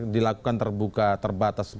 dilakukan terbuka terbatas